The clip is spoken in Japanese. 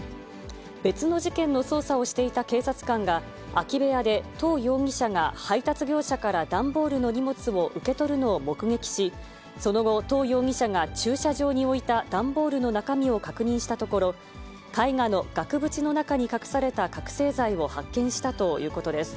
別の事件の捜査をしていた警察官が、空き部屋でとう容疑者が配達業者から段ボールの荷物を受け取るのを目撃し、その後、とう容疑者が駐車場に置いた段ボールの中身を確認したところ、絵画の額縁の中に隠された覚醒剤を発見したということです。